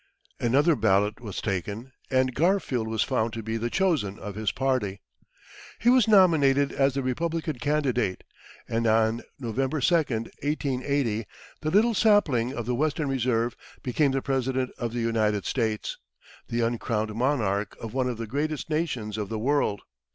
Another ballot was taken, and Garfield was found to be the chosen of his party. He was nominated as the Republican candidate; and on November 2, 1880, the "little sapling" of the Western Reserve became the President of the United States, the uncrowned monarch of one of the greatest nations of the world.